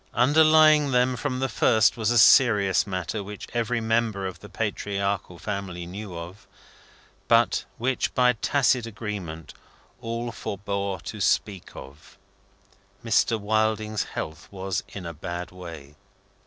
Underlying them from the first was a serious matter, which every member of the patriarchal family knew of, but which, by tacit agreement, all forbore to speak of. Mr. Wilding's health was in a bad way.